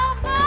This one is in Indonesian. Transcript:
hey menit mau